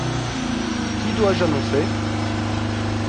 Qui dois-je annoncer ?